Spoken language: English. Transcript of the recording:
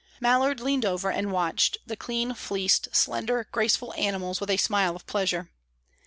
Mallard leaned over and watched the clean fleeced, slender, graceful animals with a smile of pleasure.